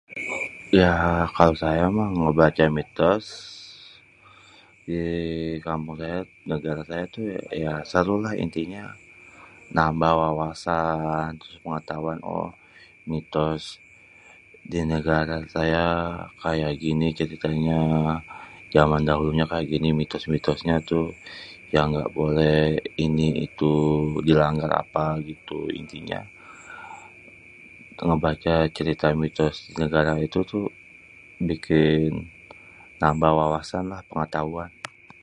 [ya] kalo saya mah kalo baca mitos, di kampung saya, negara saya tuh ya serem lah intinya nambah wawasan pengetahuan oh, mitos di negara saya, kaya gini ceritanya, jaman dahulu kaya gini mitos-mitosnya tuh, yang ga boleh ini itu di langgar apa gitu, intinya kalo baca cerita mitos negara itu tuh, bikin tambah wawasan lah pengetahuan.